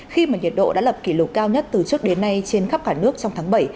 khi mà nhiệt độ đã lập kỷ lục cao nhất từ trước đến nay trên khắp cả nước trong tháng bảy